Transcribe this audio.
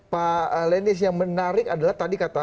pak lenis yang menarik adalah tadi kata